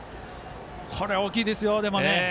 これは大きいですよ。